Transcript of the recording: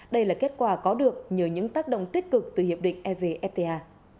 đây là kết quả có được nhờ những tác động tích cực từ hiệp định evfta